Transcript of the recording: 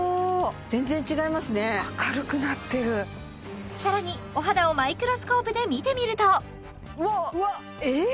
全然違いますね明るくなってる更にお肌をマイクロスコープで見てみるとうわっえっ！？